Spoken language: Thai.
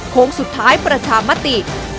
โค้งสุดท้ายประชามติ